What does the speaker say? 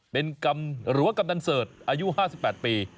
เป็นหลัวกำนันเสริฐอายุ๕๘ปี